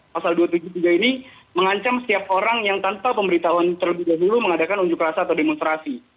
pasal dua ratus tujuh puluh tiga ini mengancam setiap orang yang tanpa pemberitahuan terlebih dahulu mengadakan unjuk rasa atau demonstrasi